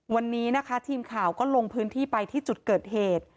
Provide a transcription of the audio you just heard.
วันนี้นะคะทีมข่าวก็ลงพื้นที่ไปที่จุดเกิดเหตุ